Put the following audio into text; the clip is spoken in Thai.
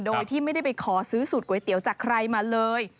โดยที่ไม่ได้ไปขอซื้อสูตรก๋วยเตี๋ยวจากใครมาเลย